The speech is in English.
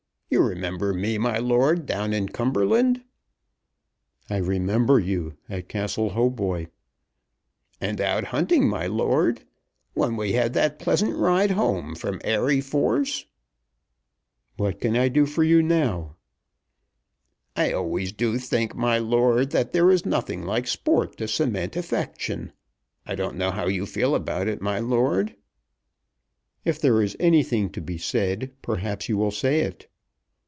You remember me, my lord, down in Cumberland?" "I remember you, at Castle Hautboy." "And out hunting, my lord, when we had that pleasant ride home from Airey Force." "What can I do for you now?" "I always do think, my lord, that there is nothing like sport to cement affection. I don't know how you feel about it, my lord." "If there is anything to be said perhaps you will say it."